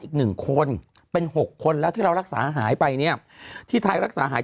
อีกหนึ่งคนเป็น๖คนแล้วที่เรารักษาหายไปเนี่ยที่ไทยรักษาหาย